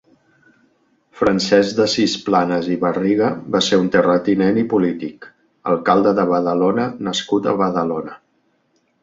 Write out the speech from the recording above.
Francesc d'Assís Planas i Barriga va ser un terratinent i polític, alcalde de Badalona nascut a Badalona.